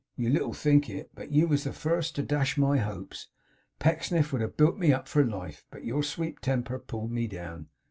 You little think it, but you was the first to dash my hopes. Pecksniff would have built me up for life, but your sweet temper pulled me down.